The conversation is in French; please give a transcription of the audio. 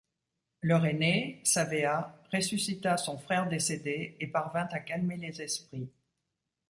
Leur aîné, Savea, ressuscita son frère décédé, et parvint à calmer les esprits.